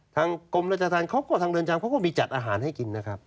ทางกรมราชธรรมเขาก็ทางเรือนจำเขาก็มีจัดอาหารให้กินนะครับ